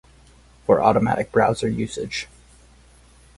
For automatic browser usage